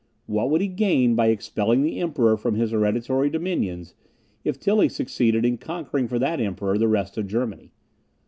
What would he gain by expelling the Emperor from his hereditary dominions, if Tilly succeeded in conquering for that Emperor the rest of Germany?